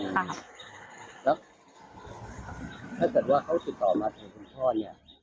แล้วถ้าเกิดว่าเขาติดต่อมาถึงคุณพ่อเนี่ย